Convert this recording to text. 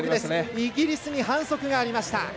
イギリスに反則がありました。